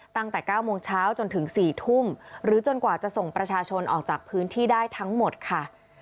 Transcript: ตั้งแต่๙โมงเช้าจนถึง๔ทุ่มหรือจนกว่าจะส่งประชาชนออกจากพื้นที่ได้ทั้งหมดค่ะ